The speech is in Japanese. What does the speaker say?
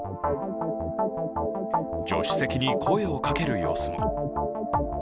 助手席に声をかける様子も。